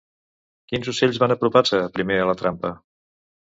Quins ocells van apropar-se primer a la trampa?